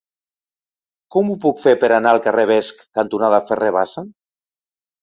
Com ho puc fer per anar al carrer Vesc cantonada Ferrer Bassa?